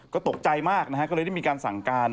ก็ตกใจมากนะฮะก็เลยได้มีการสั่งการ